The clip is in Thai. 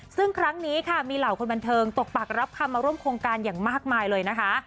ซึ่งครั้งนี้ค่ะมีเหล่าคนบันเทิงตกปากรับคำมาร่วมโครงการอย่างมากมายเลยนะคะ